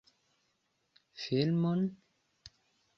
Filmon?